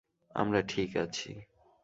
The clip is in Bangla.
আমরা ঠিক আছি।